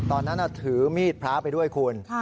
ตอนนั้นถือมีดพระไปด้วยคุณ